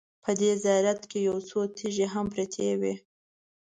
په دې زیارت کې یو څو تیږې هم پرتې وې.